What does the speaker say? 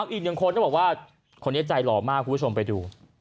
อีกหนึ่งคนต้องบอกว่าคนนี้ใจหล่อมากคุณผู้ชมไปดู